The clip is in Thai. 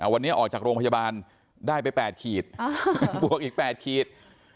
วันนี้ออกจากโรงพยาบาลได้ไป๘ขีดบวกอีก๘ขีด